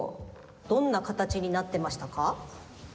どんなかたちになってましたか？